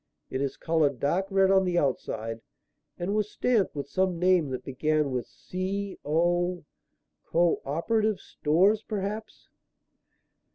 It is coloured dark red on the outside and was stamped with some name that began with C O Co operative Stores, perhaps."